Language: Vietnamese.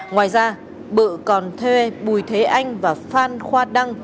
ngoài ra bự còn thuê bùi thế anh và phan khoa đăng